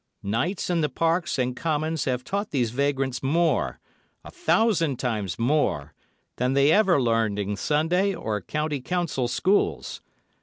Nights in the parks and commons have taught these vagrants more, a thousand times more, than they ever learned in Sunday or County Council Schools.